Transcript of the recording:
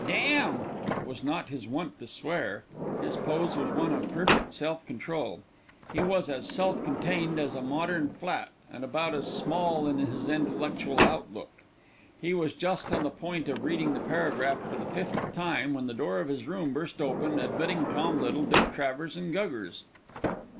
"Damn!" It was not his wont to swear. His pose was one of perfect self control. He was as self contained as a modern flat, and about as small in his intellectual outlook. He was just on the point of reading the paragraph for the fifth time when the door of his room burst open, admitting Tom Little, Dick Travers, and Guggers.